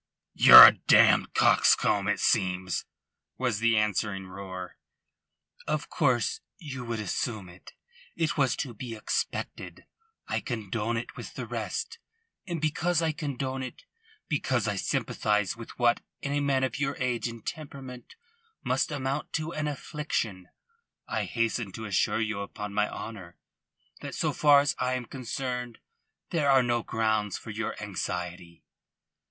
"Ye're a damned coxcomb, it seems," was the answering roar. "Of course you would assume it. It was to be expected. I condone it with the rest. And because I condone it, because I sympathise with what in a man of your age and temperament must amount to an affliction, I hasten to assure you upon my honour that so far as I am concerned there are no grounds for your anxiety."